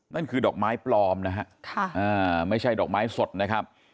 นั่นคือดอกไม้ปลอมนะฮะไม่ใช่ดอกไม้สดนะครับ